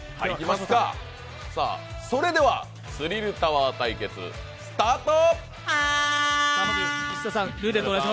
それでは「スリルタワー」対決スタート。